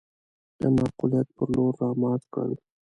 د معقوليت پر لور رامات کړل.